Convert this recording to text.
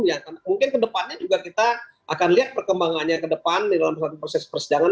mungkin kedepannya juga kita akan lihat perkembangannya kedepan dalam proses persidangan